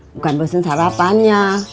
bukan bosen sarapannya